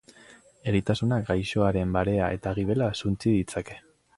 Eritasunak gaixoaren barea eta gibela suntsi ditzake.